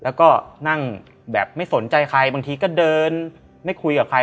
แล้วก็นั่งแบบไม่สนใจใครบางทีก็เดินไม่คุยกับใคร